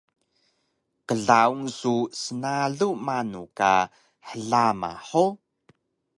Klaun su snalu manu ka hlama hug?